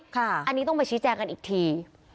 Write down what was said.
อันนี้ต้องไปชี้แจงกันอีกที